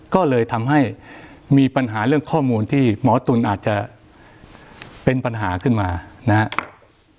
ก็เลยทำให้มีปัญหาเรื่องข้อมูลที่หมอตุ๋นอาจจะเป็นปัญหาขึ้นมานะครับ